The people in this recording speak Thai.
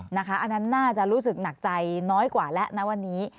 อันนั้นน่าจะรู้สึกหนักใจน้อยกว่าแล้วนะวันนี้